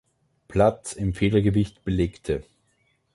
Platz im Federgewicht belegte.